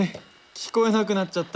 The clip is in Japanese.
聞こえなくなっちゃった。